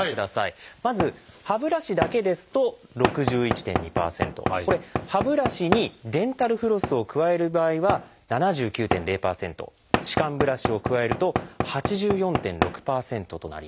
まず歯ブラシだけですと６１．２％これ歯ブラシにデンタルフロスを加える場合は７９．０％歯間ブラシを加えると８４．６％となります。